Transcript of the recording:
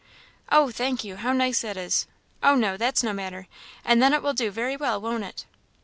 "Oh, thank you; how nice that is! Oh no, that's no matter. And then it will do very well, won't it?